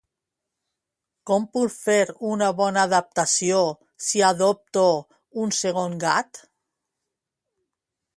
Com puc fer una bona adaptació si adopto un segon gat?